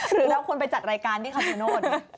หรือเราควรไปจัดรายการที่คำชะโนธ